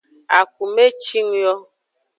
Akume cing yo.